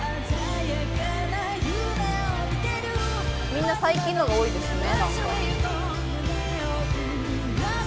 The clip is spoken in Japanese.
みんな最近のが多いですね。